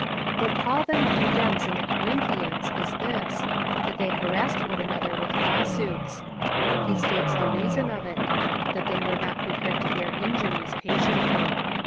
^ What Paul, then, condemns in the Corinthians is this — that they harassed one another with law suits. He states the reason of it — that they were not prepared to bear injuries patiently.